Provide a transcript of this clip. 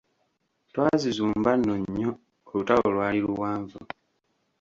Twazuzumba nno nnyo, olutalo lwali luwanvu.